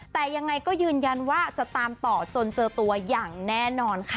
แต่ยังไงก็ยืนยันว่าจะตามต่อจนเจอตัวอย่างแน่นอนค่ะ